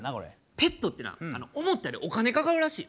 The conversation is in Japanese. ペットってな思ったよりお金かかるらしいで。